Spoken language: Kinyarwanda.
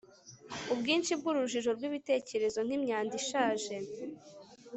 Ubwinshi bwurujijo rwibitekerezo nkimyanda ishaje